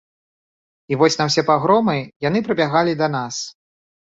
І вось на ўсе пагромы яны прыбягалі да нас.